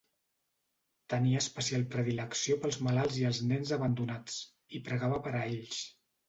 Tenia especial predilecció pels malalts i els nens abandonats, i pregava per a ells.